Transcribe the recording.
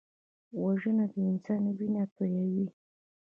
وژنه د انسان وینه تویوي